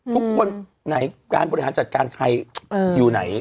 ทุกคนไหนการบริหารจัดการใครอยู่ไหน